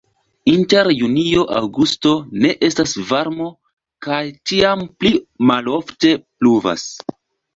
Inter junio-aŭgusto ne estas varmo kaj tiam pli malofte pluvas.